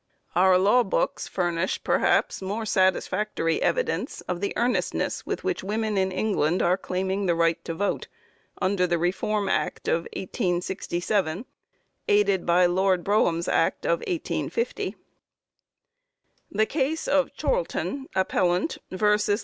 '" Our law books furnish, perhaps, more satisfactory evidence of the earnestness with which women in England are claiming the right to vote, under the reform act of 1867, aided by Lord Brougham's act of 1850. The case of Chorlton, appellant, _vs.